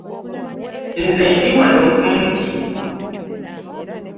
Nze ndi wa wano kumpi.